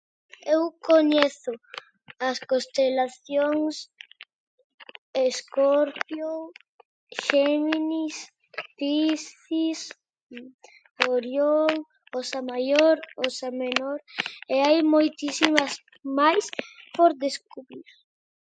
Eu coñezo as constelacións: escorpio, xéminis, piscis, orión, osa maior, osa menor e hai moitísimas máis por descubrir.